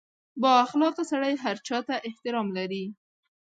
• بااخلاقه سړی هر چا ته احترام لري.